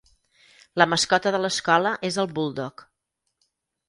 La mascota de l'escola és el buldog.